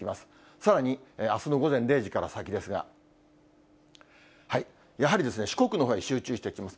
さらにあすの午前０時から先ですが、やはり四国のほうに集中していきます。